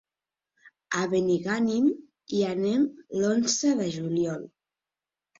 A Benigànim hi anem l'onze de juliol.